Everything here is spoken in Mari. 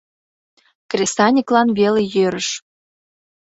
Кресаньыклан веле йӧрыш.